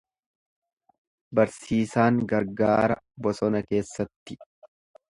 Barsiisaan gargaara bosona keessatti.